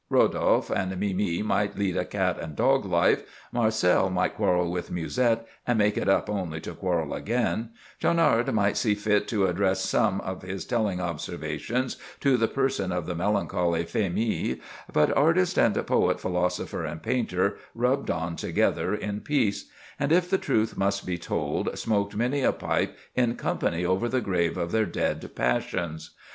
Rodolphe and Mimi might lead a cat and dog life; Marcel might quarrel with Musette, and make it up only to quarrel again; Schaunard might see fit to address some of his telling observations to the person of the melancholy Phémie; but artist and poet, philosopher and painter, rubbed on together in peace; and if the truth must be told, smoked many a pipe in company over the grave of their dead passions.